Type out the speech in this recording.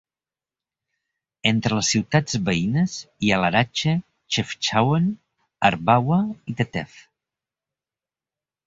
Entre les ciutats veïnes hi ha Larache, Chefchaouen, Arbawa i Tateft.